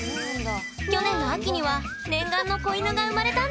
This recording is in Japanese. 去年の秋には念願の子犬が生まれたんだって！